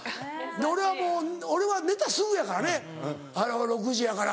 俺はもう俺は寝たすぐやからね６時やから。